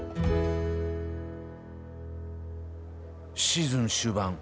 シーズン終盤。